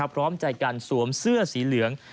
พร้อมใจกันสวมเสื้อสีเหลือง